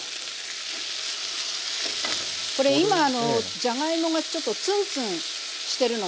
これ今じゃがいもがちょっとツンツンしてるの分かりますかね？